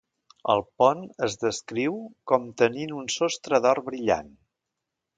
El pont es descriu com tenint un sostre d'or brillant.